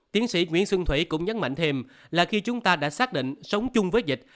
tiến sĩ nguyễn xuân thủy cũng nhấn mạnh thêm là khi chúng ta đã xác định sống chung với dịch